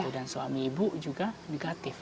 dan suami ibu juga negatif